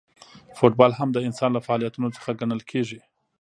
فوټبال هم د انسان له فعالیتونو څخه ګڼل کیږي.